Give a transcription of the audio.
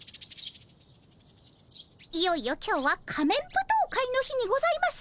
いよいよ今日は仮面舞踏会の日にございます。